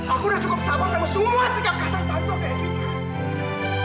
aku sudah cukup sabar sama semua sikap kasar tante ke evita